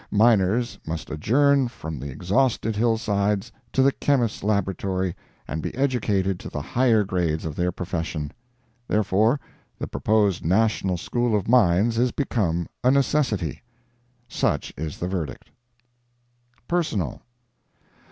Miners must adjourn from the exhausted hillsides to the chemist's laboratory and be educated to the higher grades of their profession. Therefore, the proposed National School of Mines is become a necessity. Such is the verdict. PERSONAL.